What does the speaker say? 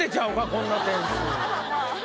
こんな点数。